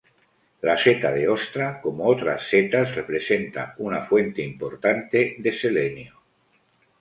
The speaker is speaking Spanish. La seta de ostra, como otras setas, representa una fuente importante de selenio.